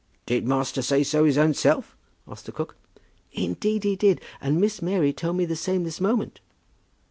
"Did master say so his own self?" asked the cook. "Indeed he did; and Miss Mary told me the same this moment."